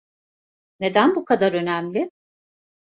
Neden bu kadar önemli?